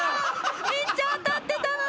めっちゃ当たってたのに。